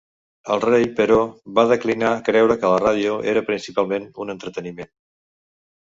El Rei, però, va declinar creure que la ràdio era principalment un entreteniment.